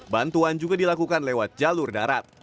bantuan juga dilakukan lewat jalur darat